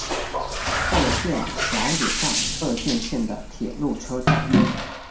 鹤见小野站鹤见线的铁路车站。